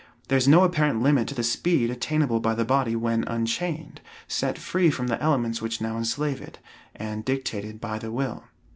There is no apparent limit to the speed attainable by the body when unchained, set free from the elements which now enslave it, and dictated by the will.